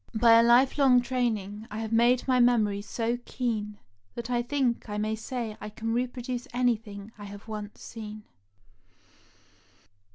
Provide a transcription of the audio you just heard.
By a lifelong training I have made my memory so keen that I think I may say I can repro duce anything I have once seen."